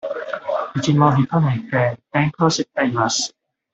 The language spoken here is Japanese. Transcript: いつもひとりで勉強しています。